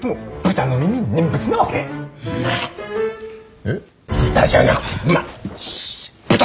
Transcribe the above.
「豚」じゃなくて「馬」。